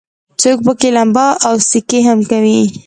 څوک پکې لمبا او سکي هم کوي.